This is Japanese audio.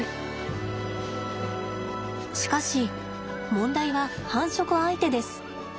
しかし問題は繁殖相手です。